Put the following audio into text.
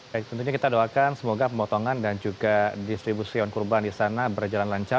baik tentunya kita doakan semoga pemotongan dan juga distribusi hewan kurban di sana berjalan lancar